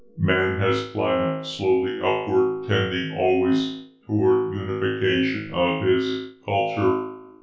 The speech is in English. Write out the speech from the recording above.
Man has climbed slowly upward, tending always toward unification of his culture.